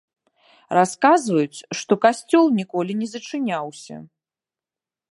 Расказваюць, што касцёл ніколі не зачыняўся.